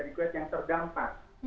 di kuwait yang terdampak